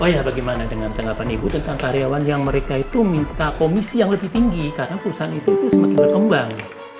ya bagaimana dengan tanggapan ibu tentang karyawan yang mereka itu minta komisi yang lebih tinggi karena perusahaan itu semakin berkembang